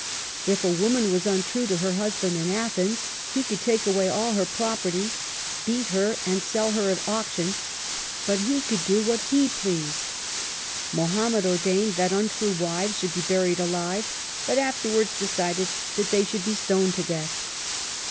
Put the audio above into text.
If a woman was untrue to her husband in Athens ^ he could take away all her property, beat her, and sell her at auction, but he could do what he pleased.' Mohammed ordained that untrue wives should be buried alive, but afterwards decided that they should; be stoned to death.